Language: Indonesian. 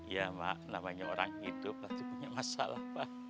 ya mak namanya orang hidup pasti punya masalah pak